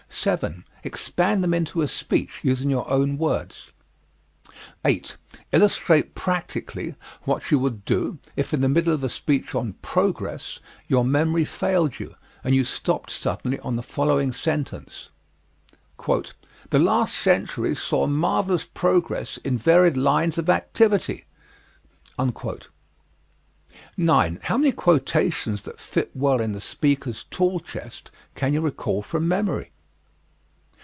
7. Expand them into a speech, using your own words. 8. Illustrate practically what would you do, if in the midst of a speech on Progress, your memory failed you and you stopped suddenly on the following sentence: "The last century saw marvelous progress in varied lines of activity." 9. How many quotations that fit well in the speaker's tool chest can you recall from memory?